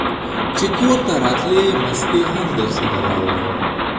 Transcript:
چې کورته راتلې مستې هم درسره راوړه!